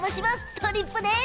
とりっぷです。